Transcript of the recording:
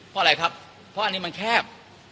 เพราะอะไรครับเพราะอันนี้มันแคบ